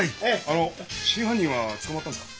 あの真犯人は捕まったんですか？